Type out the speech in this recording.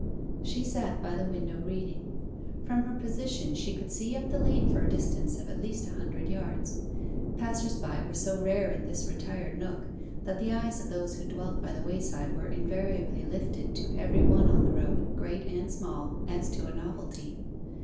She sat by the window reading. From her position she could see up the lane for a distance of at least a hundred yards. Passers by were so rare in this retired nook, that the eyes of those who dwelt by the wayside were invariably lifted to every one on the road, great and small, as to a novelty.